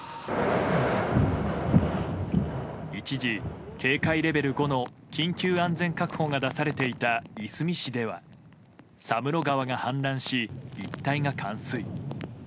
一時、警戒レベル５の緊急安全確保が出されていたいすみ市では佐室川が氾濫し、一帯が冠水。